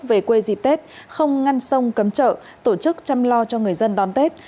về quê dịp tết không ngăn sông cấm chợ tổ chức chăm lo cho người dân đón tết